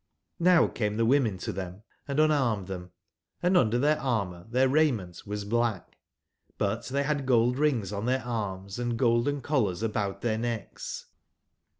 ]Vow came the women to them and unarmed them ;& under their armour their raiment was black; but they had gold rings on their arms, and golden collars about their necks.